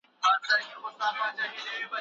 افغان هلکان خپلواکي سیاسي پریکړي نه سي کولای.